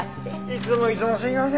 いつもいつもすいません。